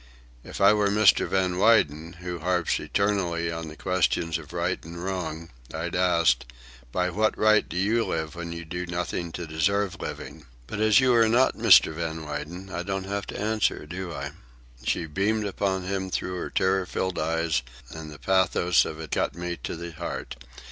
If I were Mr. Van Weyden, who harps eternally on questions of right and wrong, I'd ask, by what right do you live when you do nothing to deserve living?" "But as you are not Mr. Van Weyden, I don't have to answer, do I?" She beamed upon him through her terror filled eyes, and the pathos of it cut me to the heart.